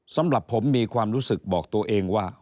สำหรับผมมีความรู้สึกบอกตัวเองว่า